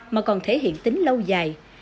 mà còn thể hiện tính lâu dài